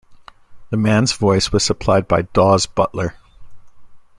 The man's voice was supplied by Daws Butler.